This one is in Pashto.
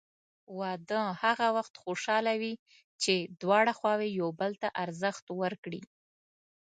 واده هغه وخت خوشحاله وي چې دواړه خواوې یو بل ته ارزښت ورکړي.